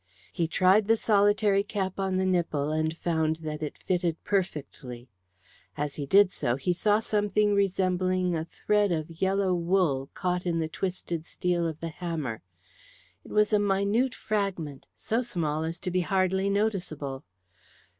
He tried the solitary cap on the nipple, and found that it fitted perfectly. As he did so, he saw something resembling a thread of yellow wool caught in the twisted steel of the hammer. It was a minute fragment, so small as to be hardly noticeable.